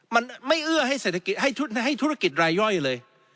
มันไม่เอื้อให้เศรษฐกิจให้ธุรกิจรายย่อยเลย